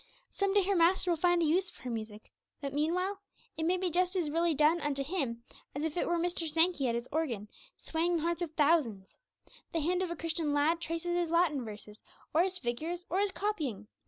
Some day her Master will find a use for her music; but meanwhile it may be just as really done unto Him as if it were Mr. Sankey at his organ, swaying the hearts of thousands. The hand of a Christian lad traces his Latin verses, or his figures, or his copying.